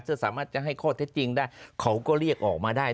ถ้าสามารถจะให้ข้อเท็จจริงได้เขาก็เรียกออกมาได้